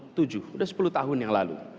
sudah sepuluh tahun yang lalu